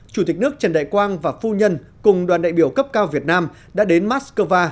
chủ tịch nước trần đại quang và phu nhân cùng đoàn đại biểu cấp cao việt nam đã đến moscow